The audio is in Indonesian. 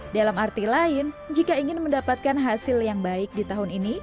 dalam arti lain jika ingin mendapatkan hasil yang baik di tahun ini